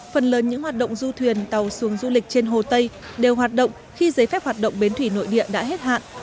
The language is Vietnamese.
phần lớn những hoạt động du thuyền tàu xuồng du lịch trên hồ tây đều hoạt động khi giấy phép hoạt động bến thủy nội địa đã hết hạn